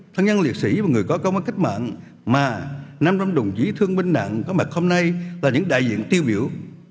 thân nhân liệt sĩ và người có công với cách mạng mà năm trăm linh đồng chí thương binh nặng có mặt hôm nay là những đại diện tiêu biểu